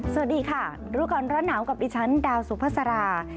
สวัสดีค่ะรู้ก่อนร้อนหนาวกับดิฉันดาวสุภาษารา